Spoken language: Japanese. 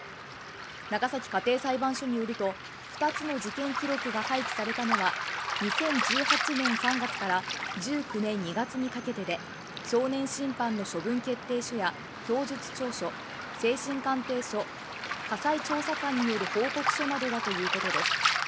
長崎家庭裁判所によると二つの事件記録が廃棄されたのは２０１８年３月から１９年２月にかけてで少年審判の処分決定書や供述調書精神鑑定書家裁調査官による報告書などだということです